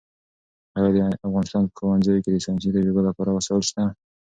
ایا د افغانستان په ښوونځیو کې د ساینسي تجربو لپاره وسایل شته؟